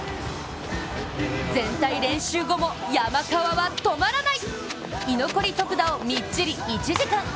全体練習後も、山川は止まらない。